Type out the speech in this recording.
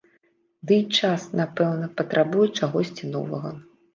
Дый час, напэўна, патрабуе чагосьці новага.